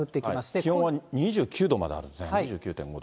気温は２９度まであるんですね、２９．５度。